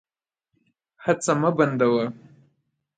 هڅه مه بندوه.